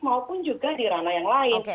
maupun juga di ranah yang lain